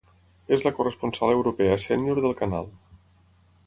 És la corresponsal europea sènior del canal.